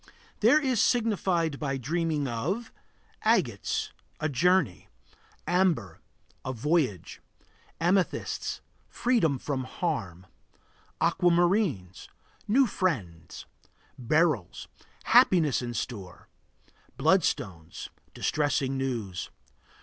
There is signified by dreaming of Agates A journey. Amber A voyage Amethysts Freedom from harm. Aquamarines New friends. Beryls Happiness in store. Bloodstones Distressing news.